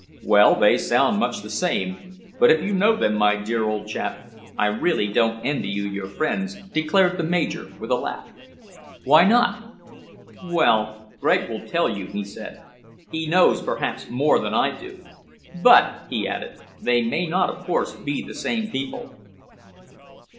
"Well, they sound much the same. But if you know them, my dear old chap, I really don't envy you your friends," declared the Major with a laugh. "Why not?" "Well, Gregg will tell you," he said. "He knows, perhaps, more than I do. But," he added, "they may not, of course, be the same people."